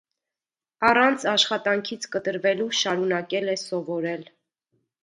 Առանց աշխատանքից կտրվելու՝ շարունակել է սովորել։